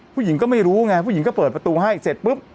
ผู้หญิงก็ไม่รู้ไงผู้หญิงก็เปิดประตูให้เสร็จปุ๊บ